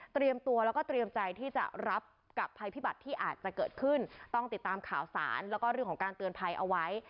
ตัวแล้วก็เตรียมใจที่จะรับกับภัยพิบัติที่อาจจะเกิดขึ้นต้องติดตามข่าวสารแล้วก็เรื่องของการเตือนภัยเอาไว้